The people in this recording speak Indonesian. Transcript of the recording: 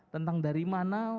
tentang dari mana